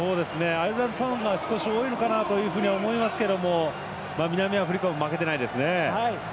アイルランドファンが多いのかなと思いますけど南アフリカも負けてないですね。